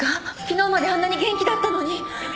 昨日まであんなに元気だったのに